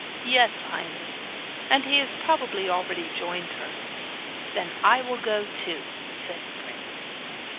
'Yes, highness; and he has probably already joined her.' 'Then I will go too,' said the prince.